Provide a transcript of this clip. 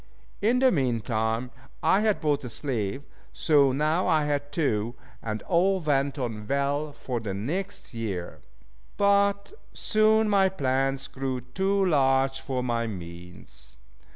In the mean time I had bought a slave, so now I had two, and all went on well for the next year. But soon my plans grew too large for my means.